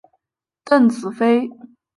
邓紫飞。